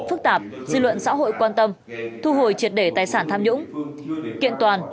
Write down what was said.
phức tạp dư luận xã hội quan tâm thu hồi triệt để tài sản tham nhũng kiện toàn